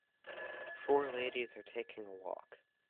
Four ladies are taking a walk.